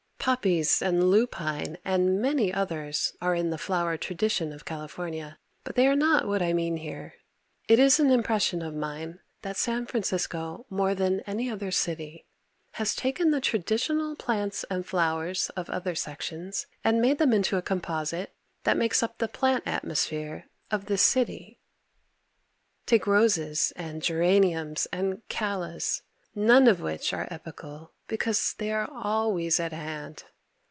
Poppies and lupine and many others are the flower tradition of California but they are not what I mean here. It is an impression of mine that San Francisco more than any other city has taken the traditional plants and flowers of other sections and made them into a composite that makes up the plant atmosphere of this city. Take roses and geraniums and callas, none of which are epochal because they are always at hand.